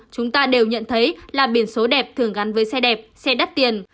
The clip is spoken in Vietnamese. chúng ta đều nhận thấy là biển số đẹp thường gắn với xe đẹp xe đắt tiền